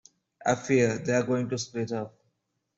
I fear they're going to split up.